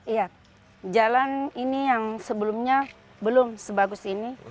iya jalan ini yang sebelumnya belum sebagus ini